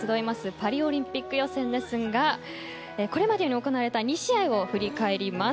パリオリンピック予選ですがこれまでに行われた２試合を振り返ります。